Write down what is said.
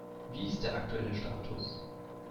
Wie ist der aktuelle Status?